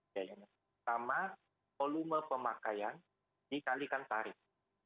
pertama volume pemakaian dikalikan tarif